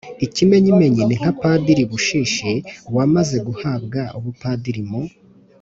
ikimenyimenyi ni nka padiri bushishi wamaze guhabwa ubupadiri mu